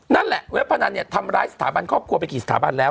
เว็บพนันเนี่ยทำร้ายสถาบันครอบครัวไปกี่สถาบันแล้ว